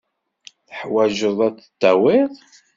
Teḥwajeḍ ad tdawiḍ.